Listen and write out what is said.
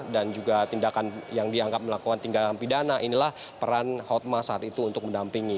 dan juga tindakan yang dianggap melakukan tinggalkan pidana inilah peran hotma saat itu untuk mendampingi